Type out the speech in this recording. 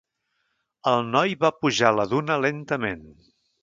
El noi va pujar la duna lentament.